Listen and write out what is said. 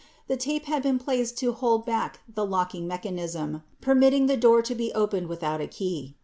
5 The tape had been placed to hold back the locking mech anism, permitting the door to be opened without a key.